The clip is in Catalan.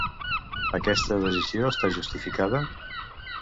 Aquesta decisió està justificada?